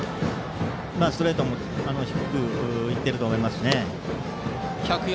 ストライクも低くいっていると思います。